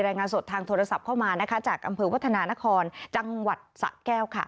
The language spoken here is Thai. รายงานสดทางโทรศัพท์เข้ามานะคะจากอำเภอวัฒนานครจังหวัดสะแก้วค่ะ